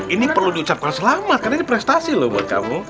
ini perlu diucapkan selamat karena ini prestasi loh buat kamu